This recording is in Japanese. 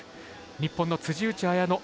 日本の辻内彩野